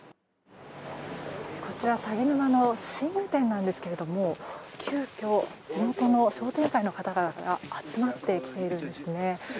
こちら鷺沼の寝具店なんですけれども急きょ、地元の商店街の方が集まってきているんですね。